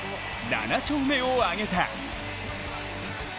７勝目を挙げた。